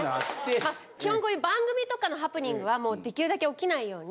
基本こういう番組とかのハプニングは出来るだけ起きないように。